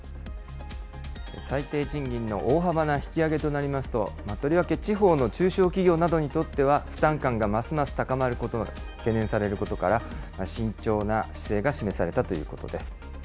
最低賃金の大幅な引き上げとなりますと、とりわけ地方の中小企業などにとっては負担感がますます高まることが懸念されることから、慎重な姿勢が示されたということです。